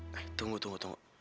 tunggu tunggu tunggu